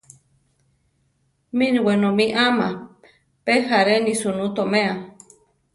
Mini wenómi ama pe járeni sunú toméa.